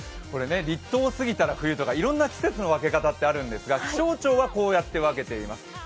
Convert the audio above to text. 立冬をすぎたら冬とか、いろんな季節の分け方があるんですが、気象庁はこうやって分けています。